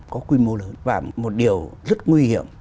có quy mô lớn và một điều rất nguy hiểm